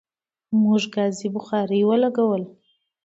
موږ ګازی بخاری ولګوله